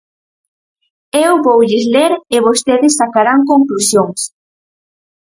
Eu voulles ler e vostedes sacarán conclusións.